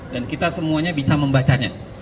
dan kita semuanya bisa membacanya